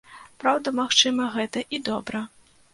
Праўда, магчыма, гэта і добра.